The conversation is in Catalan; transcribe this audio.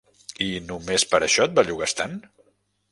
- I no més per això et bellugues tant?